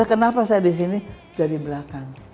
kenapa saya disini dari belakang